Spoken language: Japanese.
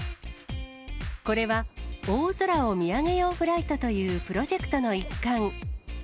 これは、大空を見上げようフライトというプロジェクトの一環。